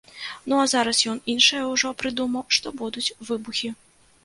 Ну а зараз ён іншае ўжо прыдумаў, што будуць выбухі.